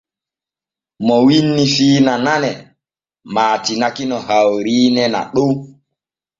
MO wiinnii fiina nane maatinaki no hawriine naɗon.